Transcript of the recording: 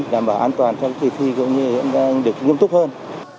đảm bảo an toàn cho thi thi cũng như được nghiêm túc hơn